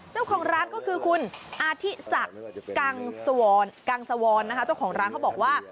เจ้าของร้านก็คือคุณอาธิศักดิ์กังสวรนะคะเจ้าของร้านเขาบอกว่า